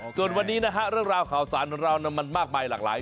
ส่วนวันนี้นะฮะเรื่องราวข่าวสารของเรามันมากมายหลากหลาย